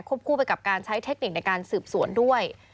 คู่ไปกับการใช้เทคนิคในการสืบสวนด้วย